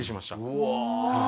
うわ！